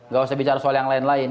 gak usah bicara soal yang lain lain